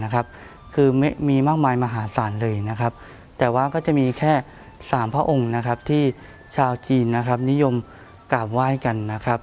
คือมีมากมายมหาศาลเลยแต่ว่าก็จะมีแค่สามพระองค์ที่ชาวจีนนิยมกราบไหว้กัน